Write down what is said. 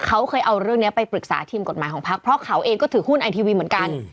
เขาเคยเอาเรื่องนี้ไปปรึกษาทีมกฎหมายของพักเพราะเขาเองก็ถือหุ้นไอทีวีเหมือนกัน